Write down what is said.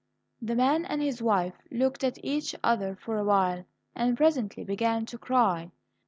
The man and his wife looked at each other for a while, and presently began to cry.